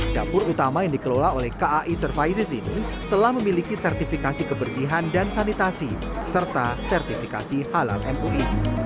dapur utama yang dikelola oleh kai services ini telah memiliki sertifikasi kebersihan dan sanitasi serta sertifikasi halal mui